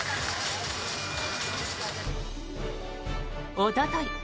おととい